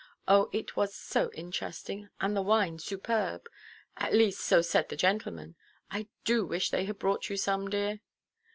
Oh, it was so interesting, and the wine superb—at least, so said the gentlemen; I do wish they had brought you some, dear."